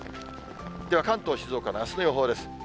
では、関東、静岡のあすの予報です。